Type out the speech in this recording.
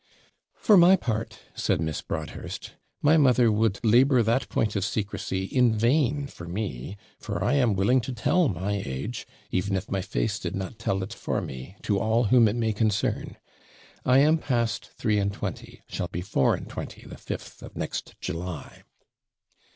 'For my part,' said Miss Broadhurst, 'my mother would 'labour that point of secrecy in vain for me; for I am willing to tell my age, even if my face did not tell it for me, to all whom it may concern. I am past three and twenty shall be four and twenty the 5th of next July.'